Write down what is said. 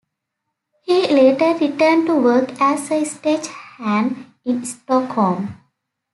He later returned to work as a stagehand in Stockholm.